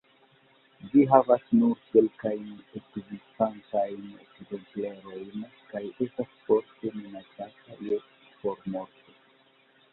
Ĝi havas nur kelkajn ekzistantajn ekzemplerojn kaj estas forte minacata je formorto.